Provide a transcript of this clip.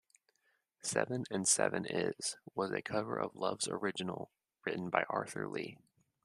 "Seven and Seven Is" was a cover of Love's original, written by Arthur Lee.